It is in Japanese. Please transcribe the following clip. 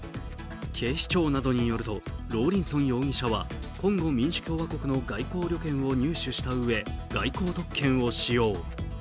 警視庁などによるとローリンソン容疑者はコンゴ民主共和国の外交旅券を入手したうえで外交特権を使用。